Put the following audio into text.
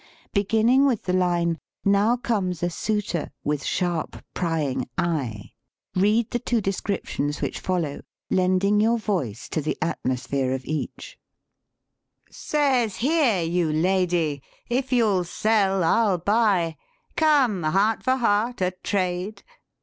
Beginning with the line, " Now comes a suitor with sharp, prying eye," read the two descriptions which follow, lending your voice to the atmosphere of each : "Says, Here, you Lady, if you'll sell I'll buy: \ Come, heart for heart a trade